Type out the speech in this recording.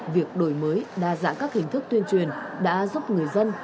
việc đổi mới đa dạng các hình thức tuyên truyền đã giúp người dân